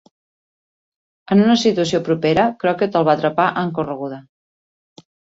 En una situació propera, Crockett el va atrapar en correguda.